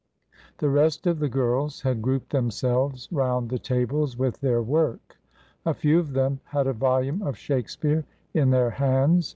The rest of the girls had grouped themselves round the tables with their work. A few of them had a volume of Shakespeare in their hands.